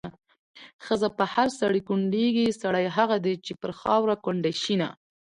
ښځه په هر سړي کونډېږي، سړی هغه دی چې پرې خاوره کونډه شېنه